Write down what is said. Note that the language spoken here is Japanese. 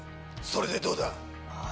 それでどうだ？